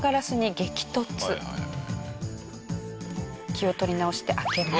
気を取り直して開けます。